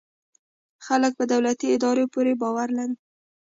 خلک په دولتي ادارو پوره باور لري.